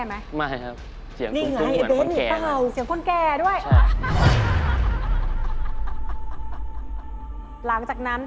เอาพระพุทธรูปแล้วก็เอาน้ำลด